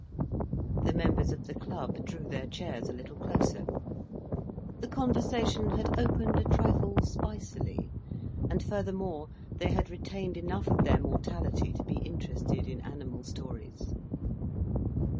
The members of the club drew their chairs a little closer. The conversation had opened a trifle spicily, and, furthermore, they had retained enough of their mortality to be interested in animal stories.